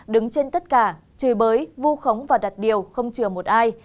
đứng trên tất cả chửi bới vu khống và đặt điều không chừa một ai